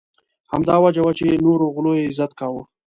همدا وجه وه چې نورو غلو یې عزت کاوه.